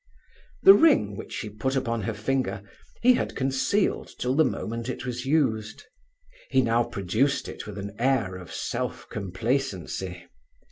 The ring, which he put upon her finger, he had concealed till the moment it was used. He now produced it with an air of self complacency.